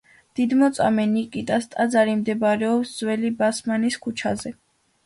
დიდმოწამე ნიკიტას ტაძარი მდებარეობს ძველი ბასმანის ქუჩაზე.